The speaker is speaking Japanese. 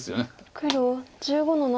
黒１５の七。